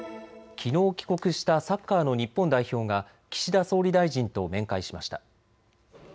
きのう帰国したサッカーの日本代表が岸田総理大臣と面会しました。